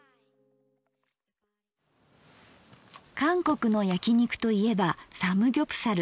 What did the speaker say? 韓国のやき肉といえばサムギョプサル。